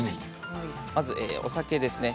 まずお酒ですね。